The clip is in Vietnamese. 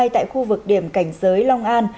tại khu vực điểm cảnh giới long an